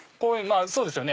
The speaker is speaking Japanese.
そうですよね。